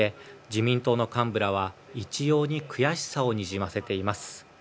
自民党の幹部らは、一様に悔しさをにじませています。